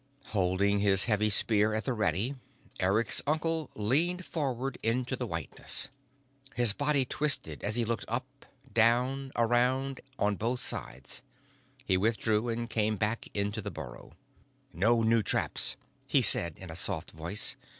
Holding his heavy spear at the ready, Eric's uncle leaned forward into the whiteness. His body twisted as he looked up, down, around, on both sides. He withdrew and came back into the burrow. "No new traps," he said in a soft voice.